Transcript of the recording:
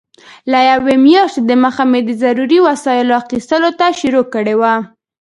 له یوې میاشتې دمخه مې د ضروري وسایلو اخیستلو ته شروع کړې وه.